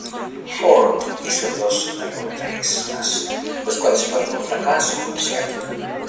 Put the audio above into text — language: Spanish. Ford hizo dos largometrajes más, los cuales fueron un fracaso comercial.